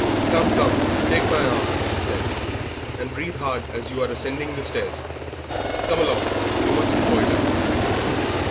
"Come, come, take my arm," she said, "and breathe hard as you are ascending the stairs. Come along, you mustn't loiter."